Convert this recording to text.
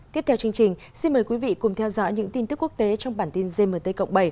tiếp theo chương trình xin mời quý vị cùng theo dõi những tin tức quốc tế trong bản tin gmt cộng bảy